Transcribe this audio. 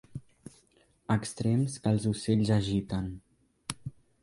Extrems que els ocells agiten.